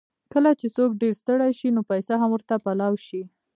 کله چې څوک ډېر ستړی شي، نو پېڅه هم ورته پلاو شي.